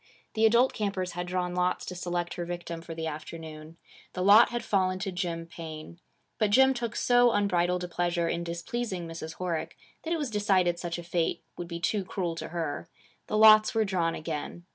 The adult campers had drawn lots to select her victim for the afternoon. The lot had fallen to Jim Paine. But Jim took so unbridled a pleasure in displeasing Mrs. Horick that it was decided such a fate would be too cruel to her. The lots were drawn again.